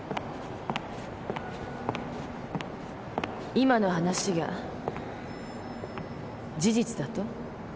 今の話が事実だと？